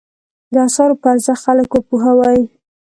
د اثارو په ارزښت خلک وپوهوي.